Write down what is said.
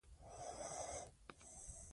د پوهنې رياست چارواکو په کې ګډون کړی و.